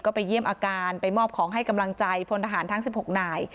ก็ไปเยี่ยมอาการไปมอบของให้กำลังใจพลทหารทั้ง๑๖นาย